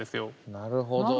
なるほど。